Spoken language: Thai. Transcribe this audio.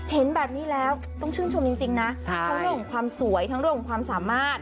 เห็นแบบนี้แล้วต้องชื่นชมจริงนะทั้งเรื่องของความสวยทั้งเรื่องของความสามารถ